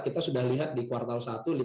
kita sudah lihat di kuartal satu lima